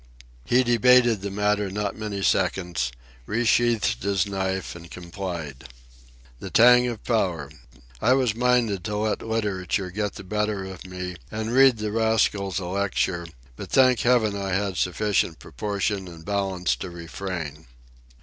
He debated the matter not many seconds, resheathed his knife, and complied. The tang of power! I was minded to let literature get the better of me and read the rascals a lecture; but thank heaven I had sufficient proportion and balance to refrain.